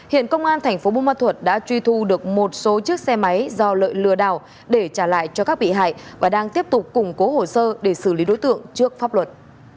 hiện công an thành phố bù ma thuật đã truy thu được một số chiếc xe máy do lợi lừa đảo để trả lại cho các bị hại và đang tiếp tục củng cố hồ sơ để xử lý đối tượng trước pháp luật